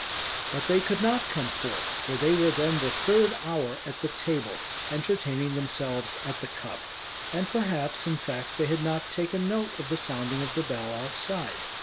But they could not come forth, for they were then the third hour at the table, entertaining themselves at the cup, and perhaps in fact they had not taken note of the sounding of the bell outside.